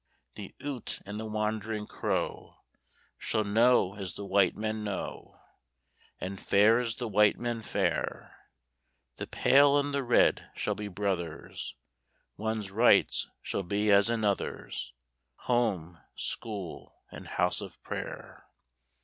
The Ute and the wandering Crow Shall know as the white men know, And fare as the white men fare; The pale and the red shall be brothers, One's rights shall be as another's, Home, School, and House of Prayer!